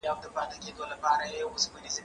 زه پرون کتابتون ته وم،